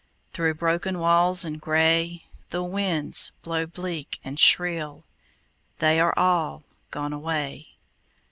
Through broken walls and gray The winds blow bleak and shrill: They are all gone away.